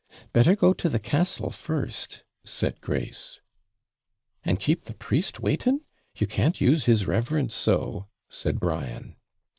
'Better go to the castle first,' said Grace. 'And keep the priest waiting! You can't use his reverence so.' said Brian.